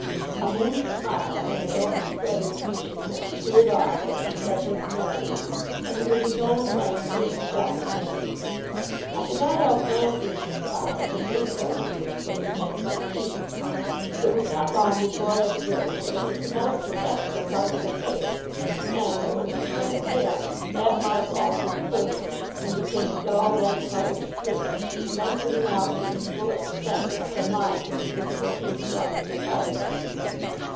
A moody smile that had overspread his features cleared off as he said this merrily, and he was his own frank, winning self again. I could not help glancing at the scar with a painful interest when we went in to tea. It was not long before I observed that it was the most susceptible part of her face, and that, when she turned pale, that mark altered first, and became a dull, lead coloured streak, lengthening out to its full extent, like a mark in invisible ink brought to the fire.